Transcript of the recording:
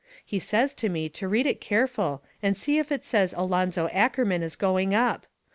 He says to me to read it careful and see if it says Alonzo Ackerman is going up.